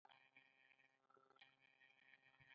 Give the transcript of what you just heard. ایا زه باید سینما ته لاړ شم؟